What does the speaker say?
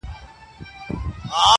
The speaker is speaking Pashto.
د شپې دي د مُغان په کور کي ووینم زاهده!